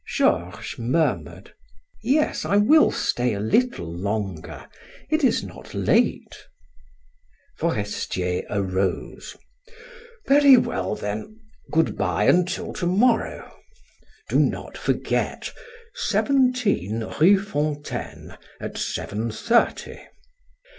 Georges murmured: "Yes, I will stay a little longer: it is not late." Forestier arose: "Very well, then, good bye until to morrow. Do not forget: 17 Rue Fontaine at seven thirty."